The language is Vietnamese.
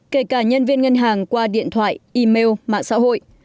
kể cả nhân viên ngân hàng qua điện thoại email mạng xã hội